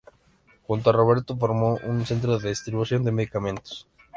Junto a Roberto formó un centro de distribución de medicamentos.